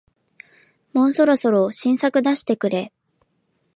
もうそろそろ新作出してくれ